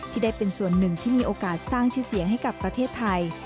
ที่ได้เป็นส่วนหนึ่งที่มีโอกาสสร้างชื่อเสียงให้กับประเทศไทย